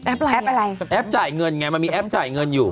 ไลฟ์อะไรแอปจ่ายเงินไงมันมีแอปจ่ายเงินอยู่